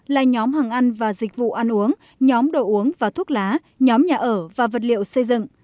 là nhóm hàng ăn và dịch vụ ăn uống nhóm đồ uống và thuốc lá nhóm nhà ở và vật liệu xây dựng